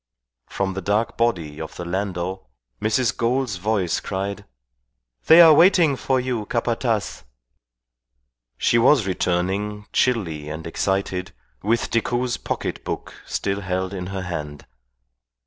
From the dark body of the landau Mrs. Gould's voice cried, "They are waiting for you, Capataz!" She was returning, chilly and excited, with Decoud's pocket book still held in her hand.